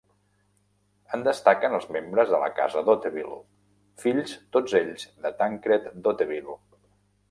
En destaquen els membres de la Casa d'Hauteville, fills tots ells de Tancred d'Hauteville.